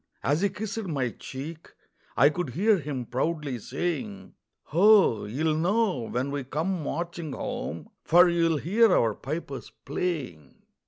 As he kissed my cheek, I could hear him proudly saying: "Ho! you'll know when we come marching home, For you'll hear our pipers playing."